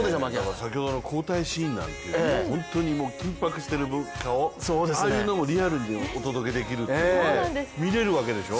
先ほどの交代シーンなんてもう緊迫している顔、ああいうのもリアルにお届けして見れるわけでしょ。